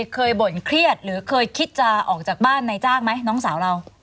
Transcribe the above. บ่นเครียดหรือเคยคิดจะออกจากบ้านในจ้างไหมน้องสาวเรา